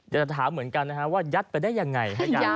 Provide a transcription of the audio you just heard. จะถามเหมือนกันนะฮะว่ายัดไปได้ยังไงฮะ